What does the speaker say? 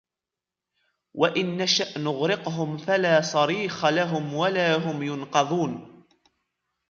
وَإِنْ نَشَأْ نُغْرِقْهُمْ فَلَا صَرِيخَ لَهُمْ وَلَا هُمْ يُنْقَذُونَ